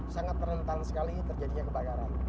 sangat rentan sekali terjadinya kebakaran